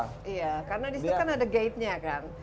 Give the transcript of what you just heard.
iya karena di situ kan ada gate nya kan